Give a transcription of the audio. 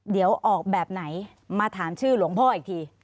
เดี๋ยวออกแบบไหนมาถามชื่อหลวงพ่ออีกที